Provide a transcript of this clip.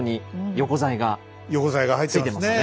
横材が入ってますね。